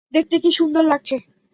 দেখতে কি সুন্দর লাগছে!